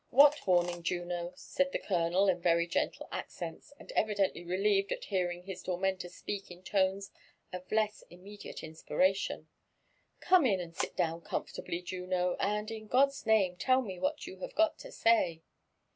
*' What warning, Juno?" said (be colopel in very gentle accents, an4 evidently reljieved at bearing his tormentor spe^k in tones of less imr mediate inspiration. ''Gome in, and sit down comfortably, Ju^o; and, in fiod's name, tell me what you have got to say."